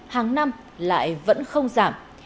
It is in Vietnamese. hàng năm lại vẫn không giảm